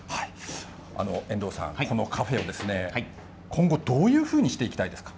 遠藤さん、このカフェを今後、どういうふうにしていきたいですか。